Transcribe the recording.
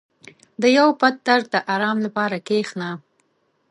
• د یو پټ درد د آرام لپاره کښېنه.